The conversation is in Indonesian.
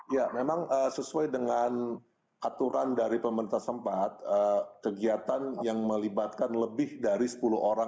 ya memang sesuai dengan aturan dari pemerintah sempat kegiatan yang melibatkan lebih dari sepuluh orang